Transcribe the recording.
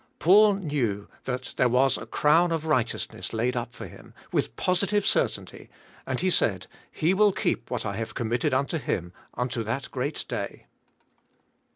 Paul knew that there was a crown of righteousness laid up for him, with positive certainty and he said, He will keep what I have committed unto Him, unto that great day."